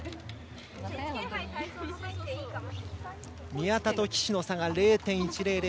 宮田と岸の差が０．１００。